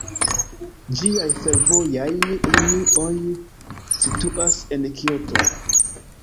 Ĝiaj fervojaj linioj situas en Kioto.